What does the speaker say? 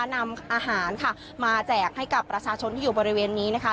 นำอาหารค่ะมาแจกให้กับประชาชนที่อยู่บริเวณนี้นะคะ